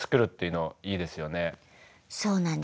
そうなんです。